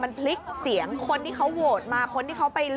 มันพลิกเสียงคนที่เขาโหวตมา